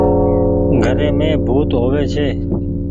گھري مي ڀوت هووي ڇي۔